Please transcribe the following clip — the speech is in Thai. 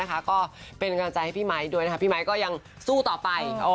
ก็เป็นกำลังใจให้พี่ไมค์ด้วยนะคะพี่ไมค์ก็ยังสู้ต่อไป